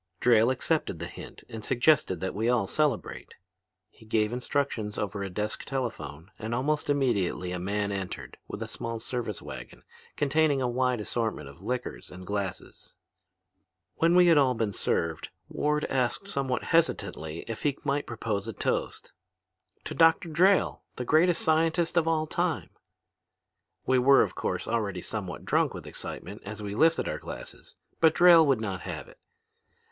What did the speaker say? "Drayle accepted the hint and suggested that we all celebrate. He gave instructions over a desk telephone and almost immediately a man entered with a small service wagon containing a wide assortment of liquors and glasses. When we had all been served, Ward asked somewhat hesitantly if he might propose a toast. 'To Dr. Drayle, the greatest scientist of all time!' "We were of course, already somewhat drunk with excitement as we lifted our glasses. But Drayle would not have it.